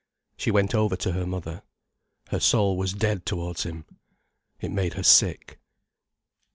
She went over to her mother. Her soul was dead towards him. It made her sick.